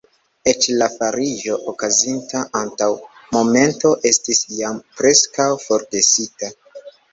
Eĉ la fariĝo, okazinta antaŭ momento, estis jam preskaŭ forgesita.